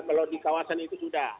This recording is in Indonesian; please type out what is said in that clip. kalau di kawasan itu sudah